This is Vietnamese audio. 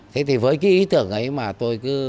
thế thì với cái ý tưởng ấy mà tôi cứ